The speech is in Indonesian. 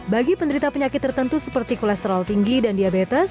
bagi penderita penyakit tertentu seperti kolesterol tinggi dan diabetes